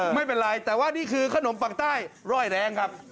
ไม่เป็นไรแต่ว่านี่คือขนมปักใต้ร่อยแรงครับ